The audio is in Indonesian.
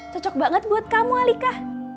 cocok banget buat kamu alika